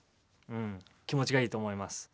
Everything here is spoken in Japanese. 気持ちがいいと思います。